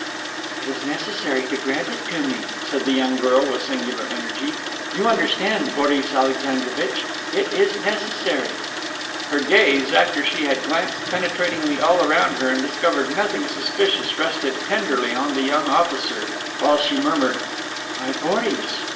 "It is necessary to grant it to me," said the young girl with singular energy. "You understand, Boris Alexandrovitch! It is necessary." Her gaze, after she had glanced penetratingly all around her and discovered nothing suspicious, rested tenderly on the young officer, while she murmured, "My Boris!"